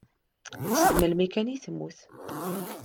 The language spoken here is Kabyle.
Seg melmi kan ay temmut.